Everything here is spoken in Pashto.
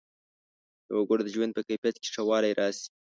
د وګړو د ژوند په کیفیت کې ښه والی راشي.